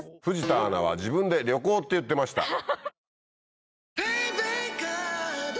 藤田アナは自分で旅行って言ってました。